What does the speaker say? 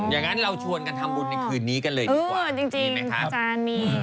อย่างนั้นเราชวนกันทำบุญในคืนนี้กันเลยดีกว่าจริงไหมคะอาจารย์มี